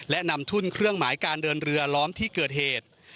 และนำทุ่นเครื่องหมายการเดินเรือล้อมที่เกิดเหตุ